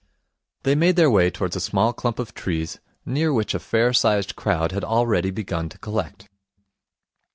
They made their way towards a small clump of trees, near which a fair sized crowd had already begun to collect.